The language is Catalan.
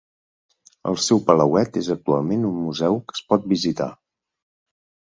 El seu palauet és actualment un museu que es pot visitar.